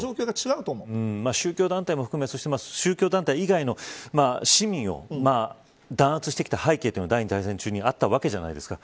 宗教団体も含め宗教団体以外の市民を弾圧してきた背景が第２次大戦中にあったわけじゃないですか。